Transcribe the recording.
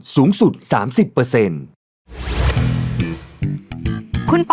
ลองดูกันก่อน